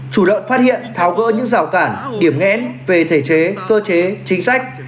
chủ lợn phát hiện tháo gỡ những rào cản điểm nghen về thể chế cơ chế chính sách